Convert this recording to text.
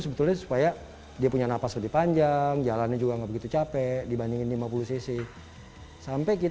sebetulnya supaya dia punya napas lebih panjang jalannya juga nggak begitu capek dibandingin lima puluh cc sampai